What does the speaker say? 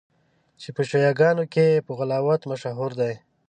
چي په شیعه ګانو کي په غُلات مشهور دي.